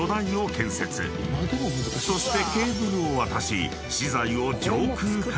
［そしてケーブルを渡し］